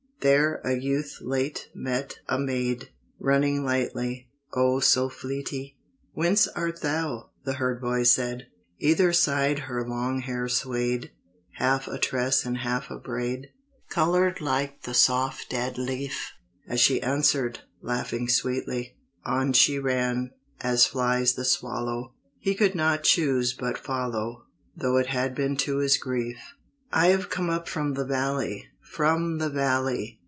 There a youth late met a maid Running lightly, oh, so fleetly! "Whence art thou?" the herd boy said. Either side her long hair swayed, Half a tress and half a braid, Colored like the soft dead leaf, As she answered, laughing sweetly, On she ran, as flies the swallow; He could not choose but follow Though it had been to his grief. "I have come up from the valley, From the valley!"